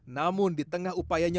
namun di tengah upayanya